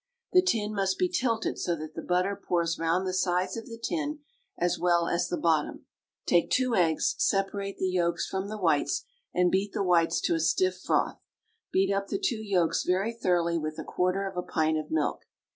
The tin must be tilted so that the butter pours round the sides of the tin as well as the bottom. Take two eggs, separate the yolks from the whites, and beat the whites to a stiff froth; beat up the two yolks very thoroughly with a quarter of a pint of milk.